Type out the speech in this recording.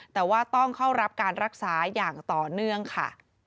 แต่ว่าต้องเข้ารับการรักษาอย่างต่อเนื่องค่ะ